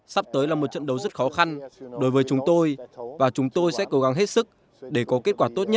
sắp tới là một trận đấu rất khó khăn đối với chúng tôi và chúng tôi sẽ cố gắng hết sức để có kết quả